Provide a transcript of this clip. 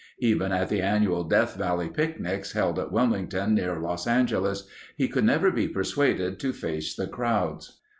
Even at the annual Death Valley picnics held at Wilmington, near Los Angeles, he could never be persuaded to face the crowds.